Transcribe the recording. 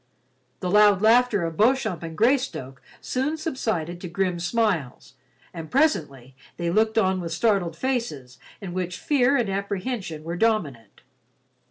The loud laughter of Beauchamp and Greystoke soon subsided to grim smiles, and presently they looked on with startled faces in which fear and apprehension were dominant.